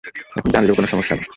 এখন জানলেও কোন সমস্যা নেই।